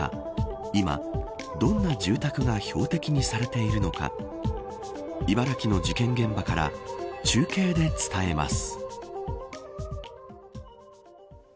今、どんな住宅が標的にされているのか茨城の事件現場から中継で伝えます。